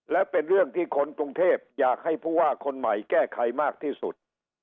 และเป็นเรื่องที่คนกรุงเทพอยากให้ผู้ว่าคนใหม่แก้ไขมากที่สุด